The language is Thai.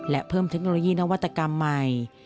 และเพิ่มเทคโนโลยีนวัตกรรมใหม่